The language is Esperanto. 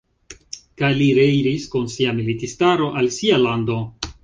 Kaj li reiris kun sia militistaro al sia lando.